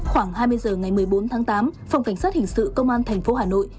khoảng hai mươi h ngày một mươi bốn tháng tám phòng cảnh sát hình sự công an thành phố hà nội